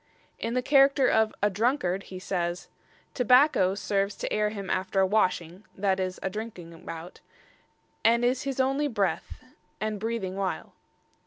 In the character of "A Drunkard" he says: "Tobacco serves to aire him after a washing [i.e. a drinking bout], and is his onely breath, and breathing while."